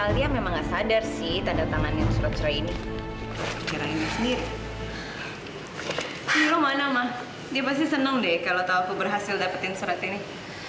sampai jumpa di video selanjutnya